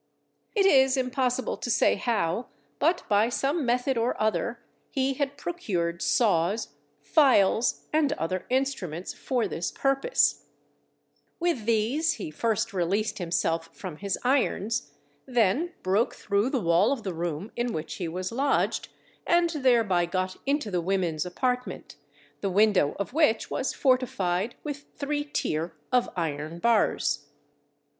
It is impossible to say how, but by some method or other he had procured saws, files, and other instruments for this purpose; with these he first released himself from his irons, then broke through the wall of the room in which he was lodged, and thereby got into the women's apartment, the window of which was fortified with three tier of iron bars.